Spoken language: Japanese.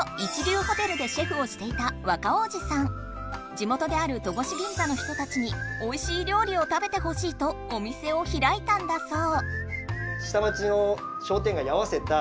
地元である戸越銀座の人たちにおいしいりょうりを食べてほしいとお店をひらいたんだそう。